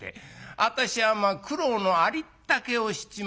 私は苦労のありったけをしちまったよ。